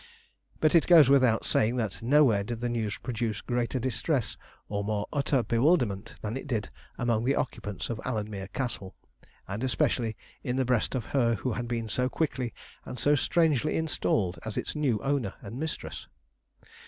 But it goes without saying that nowhere did the news produce greater distress or more utter bewilderment than it did among the occupants of Alanmere Castle, and especially in the breast of her who had been so quickly and so strangely installed as its new owner and mistress.